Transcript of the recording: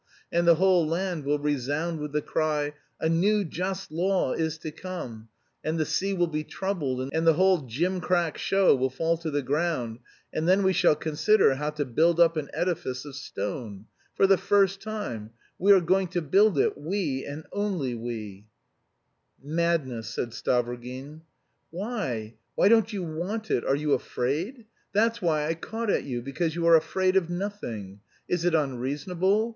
And the whole land will resound with the cry, 'A new just law is to come,' and the sea will be troubled and the whole gimcrack show will fall to the ground, and then we shall consider how to build up an edifice of stone. For the first time! We are going to build it, we, and only we!" * The reference is to the legend current in the sect of Flagellants. Translator's note. "Madness," said Stavrogin. "Why, why don't you want it? Are you afraid? That's why I caught at you, because you are afraid of nothing. Is it unreasonable?